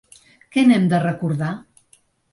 Què n’hem de recordar?